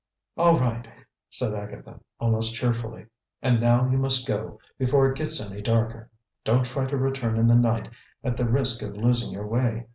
"All right," said Agatha, almost cheerfully. "And now you must go, before it gets any darker. Don't try to return in the night, at the risk of losing your way.